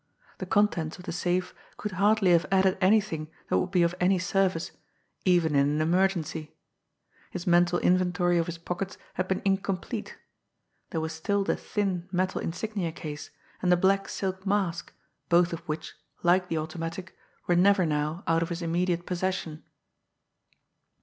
The contents of the safe could hardly have added anything that would be of any service even in an emergency! His mental inventory of his pockets had been incomplete there was still the thin, metal insignia case, and the black silk mask, both of which, like the automatic, were never now out of his immediate possession.